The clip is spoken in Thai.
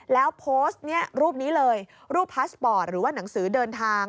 แล้วโพสต์นี้รูปนี้เลยรูปพาสปอร์ตหรือว่าหนังสือเดินทาง